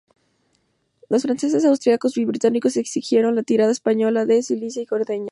Los franceses, austriacos y británicos exigieron la retirada española de Sicilia y Cerdeña.